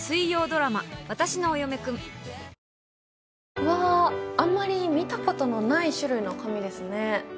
うわーあんまり見たことのない種類の紙ですね。